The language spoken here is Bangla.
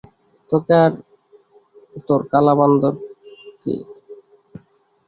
তোকে আর তোর কালা বান্দর কে!